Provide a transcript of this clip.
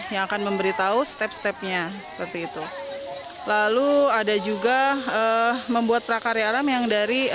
yang akan memberitahu step stepnya seperti itu lalu ada juga membuat prakarya alam yang dari